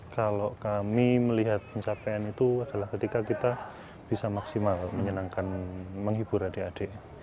kalau kami melihat pencapaian itu adalah ketika kita bisa maksimal menyenangkan menghibur adik adiknya